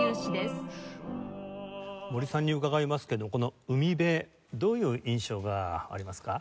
森さんに伺いますけどこの『海辺』どういう印象がありますか？